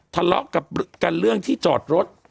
ทะเลาะกับกันเรื่องที่จอดรถ